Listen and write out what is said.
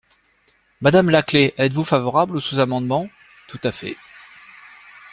Madame Laclais, êtes-vous favorable au sous-amendement ? Tout à fait.